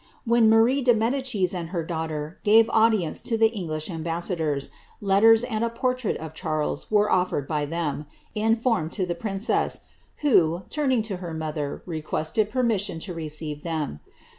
When Marie de Medicis and her daughter gave audience to the English ambassadors, letters and a portrait of Charles were oflered by them, in form, to the princess, who, turning to her mother, requested permission to receive them.